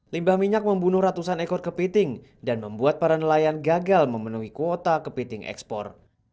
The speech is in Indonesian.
limbah minyak membunuh ratusan ekor kepiting dan membuat para nelayan gagal memenuhi kuota kepiting ekspor